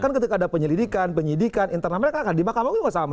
kan ketika ada penyelidikan penyidikan internal mereka kan di mahkamah juga sama